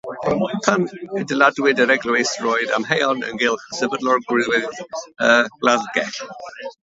Pan adeiladwyd yr eglwys, roedd amheuon ynghylch sefydlogrwydd y gladdgell.